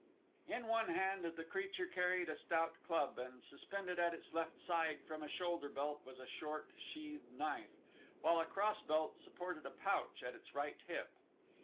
In one hand the creature carried a stout club, and suspended at its left side from a shoulder belt was a short, sheathed knife, while a cross belt supported a pouch at its right hip.